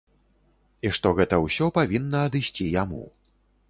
І што гэта ўсё павінна адысці яму.